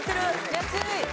安い！